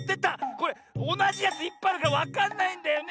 これおなじやついっぱいあるからわかんないんだよね。